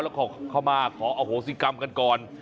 แล้วขอเข้ามาขออโหสิกรรมกันก่อน